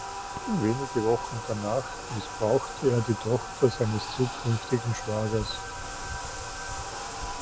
Wenige Wochen danach missbrauchte er die Tochter seines zukünftigen Schwagers.